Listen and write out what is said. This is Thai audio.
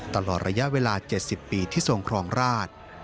ตลอดระยะเวลา๗๐ปีที่ทรงครองราช